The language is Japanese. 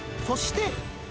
そして。